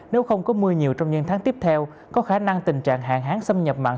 nếu không có mưa nhiều trong những tháng tiếp theo có khả năng tình trạng hạn hán xâm nhập mặn